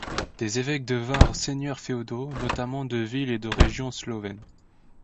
Des évêques devinrent seigneurs féodaux, notamment de villes et de régions slovènes.